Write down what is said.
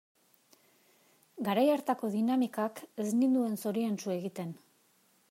Garai hartako dinamikak ez ninduen zoriontsu egiten.